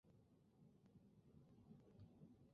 黑猩猩。